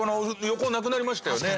横なくなりましたよね。